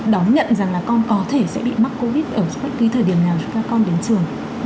đón nhận rằng là con có thể sẽ bị mắc covid ở bất cứ thời điểm nào các con đến trường